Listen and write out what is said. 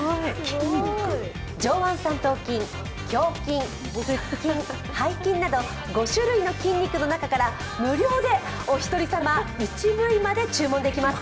上腕三頭筋胸筋、腹筋、背筋など５種類の筋肉の中から無料でおひとり様、一部位まで注文できます。